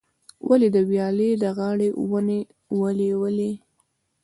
ولي، د ویالې د غاړې ونې ولې ولي؟